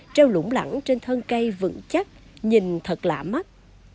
treo lũng lẳng trên thân cây vững chắc nhìn thật lạ mắt